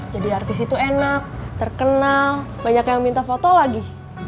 jadi artis itu enak terkenal banyak yang minta foto lagi